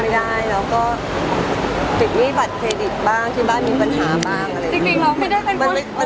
ที่เหมาะจำไม่ได้ติดมีบัตรเทรดิกที่บ้านมีปัญหาภัย